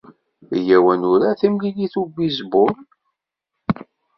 Iyyaw ad nurar timlilit n ubizbul.